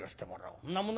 そんなものはな